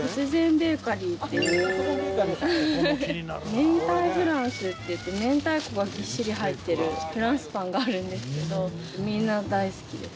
明太フランスっていって明太子が、ぎっしり入ってるフランスパンがあるんですけどみんな大好きです。